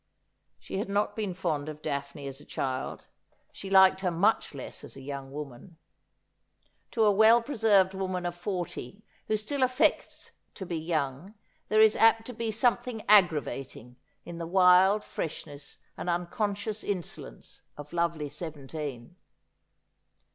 She had not been fond of Daphne as a child ; she liked her much less as a young woman. To a well preserved woman of forty, who still affects to be young, there is apt to be something aggravating in the wild freshness and unconscious insolence of lovely seventeen.